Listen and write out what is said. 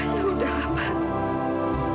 ya udah pak